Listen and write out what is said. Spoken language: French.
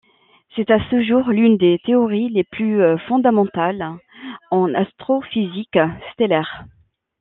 C'est à ce jour l'une des théories les plus fondamentales en astrophysique stellaire.